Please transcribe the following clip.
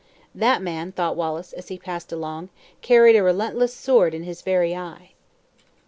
"That man," thought Wallace, as he passed along, "carried a relentless sword in his very eye!"